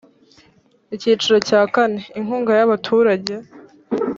icyiciro cya kane inkunga y abaturage